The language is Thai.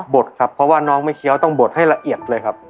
ดครับเพราะว่าน้องไม่เคี้ยวต้องบดให้ละเอียดเลยครับ